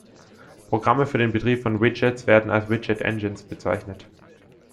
Programme für den Betrieb von Widgets werden als Widget-Engines bezeichnet.